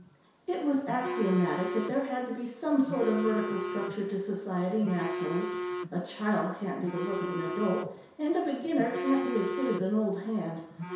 It was axiomatic that there had to be some sort of vertical structure to society, naturally. A child can't do the work of an adult, and a beginner can't be as good as an old hand.